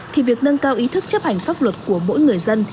thì việc nâng cao ý thức chấp hành pháp luật của mỗi người dân